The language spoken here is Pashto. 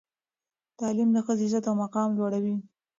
تعلیم د ښځې عزت او مقام لوړوي.